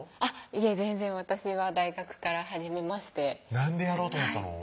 いえ全然私は大学から始めましてなんでやろうと思ったの？